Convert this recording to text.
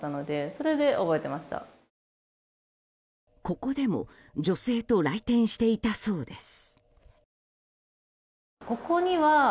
ここでも女性と来店していたそうです。